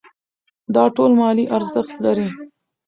دا ټول مالي ارزښت لري.